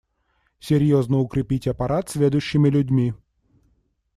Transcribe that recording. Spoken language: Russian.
Серьезно укрепить аппарат сведущими людьми.